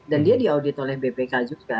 dan dia diaudit oleh bpk juga